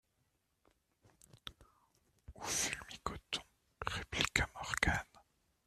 Ou fulmi-coton, répliqua Morgan.